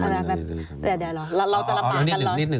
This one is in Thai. เดี๋ยวเราจะละมากัน